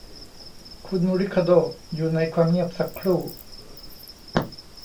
คุณริคาร์โด้อยู่ในความเงียบสักครู่